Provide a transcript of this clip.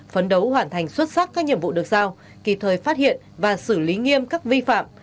phấn đấu hoàn thành xuất sắc các nhiệm vụ được giao kịp thời phát hiện và xử lý nghiêm các vi phạm